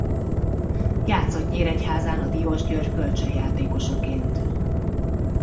Játszott Nyíregyházán a Diósgyőr kölcsönjátékosaként.